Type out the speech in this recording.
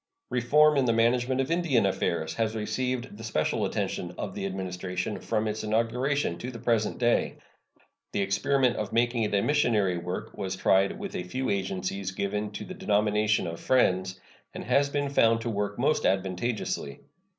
Reform in the management of Indian affairs has received the special attention of the Administration from its inauguration to the present day. The experiment of making it a missionary work was tried with a few agencies given to the denomination of Friends, and has been found to work most advantageously.